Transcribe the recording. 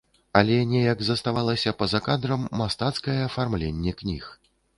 Але неяк заставалася па-за кадрам мастацкае афармленне кніг.